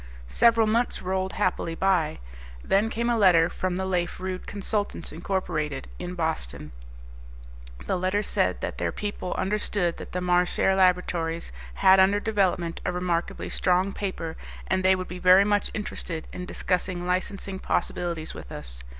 Several months rolled happily by. Then came a letter from the Lafe Rude Consultants, Inc., up in Boston. The letter said that their people understood that the Marchare Laboratories had under development a remarkably strong paper, and they would be very much interested in discussing licensing possibilities with us.